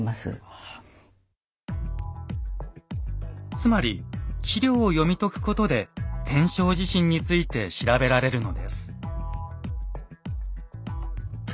つまり史料を読み解くことで天正地震について調べられるのです。